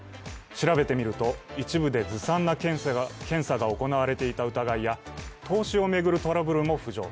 調べてみると、一部でずさんな検査が行われていた疑いや投資を巡るトラブルも浮上。